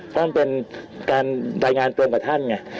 เพราะมันเป็นการรายงานตัวกับท่านไง